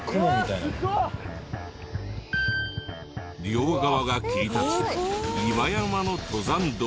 両側が切り立つ岩山の登山道に。